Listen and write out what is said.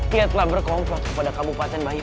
dia telah berkomplot kepada kabupaten raka